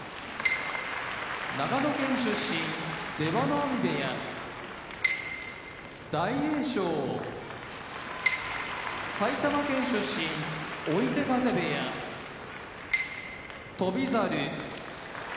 長野県出身出羽海部屋大栄翔埼玉県出身追手風部屋翔猿